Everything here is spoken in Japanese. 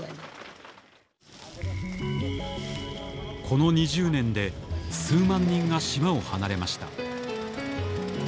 この２０年で数万人が島を離れました。